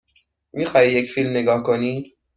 می خواهی یک فیلم نگاه کنی؟